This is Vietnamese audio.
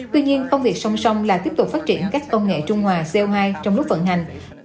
tuy nhiên công việc song song là tiếp tục phát triển các công nghệ trung hòa co hai trong lúc vận hành